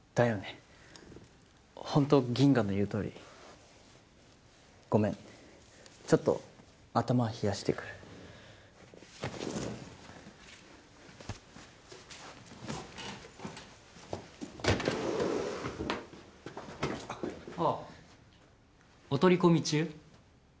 ギンガの言うとおりごめんちょっと頭冷やしてくるあぁお取り込み中？